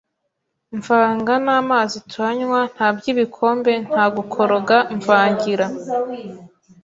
mvanga n’amazi turanywa ntabyibikombe nta gukoroga mvangira